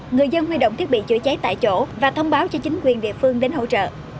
người dân huy động thiết bị chữa cháy tại chỗ và thông báo cho chính quyền địa phương đến hỗ trợ